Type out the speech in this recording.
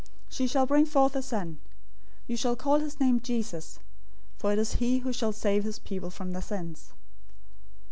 001:021 She shall bring forth a son. You shall call his name Jesus, for it is he who shall save his people from their sins."